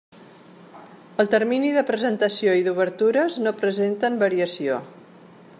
El termini de presentació i d'obertures no presenten variació.